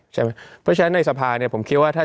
เพราะฉะนั้นในสภาผมคิดว่า